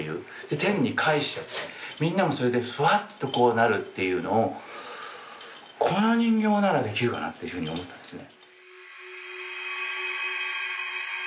天に還しちゃってみんなもそれでフワッとこうなるっていうのをこの人形ならできるかなっていうふうに思ったんですね。